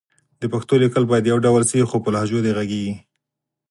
د پښتو لیکل باید يو ډول شي خو په خپلو لهجو دې غږېږي